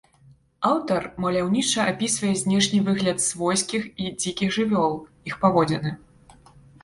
Аўтар маляўніча апісвае знешні выгляд свойскіх і дзікіх жывёл, іх паводзіны.